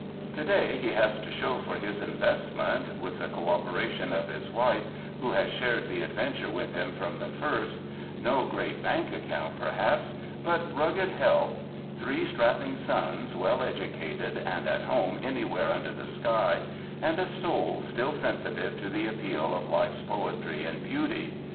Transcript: To day he has to show for his in vestment — with the cooperation of his wife who has shared the adventure with him from the first — no great bank account, perhaps, but rugged health, three 83 UNDER THE SKY IN CALIFORNIA strapping sons well educated and at home anywhere under the sky, and a soul still sensitive to the appeal of life's poetry and beauty.